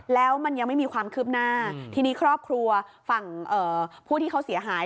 แล้วมันยังไม่มีความคืบหน้าทีนี้ครอบครัวฝั่งผู้ที่เขาเสียหาย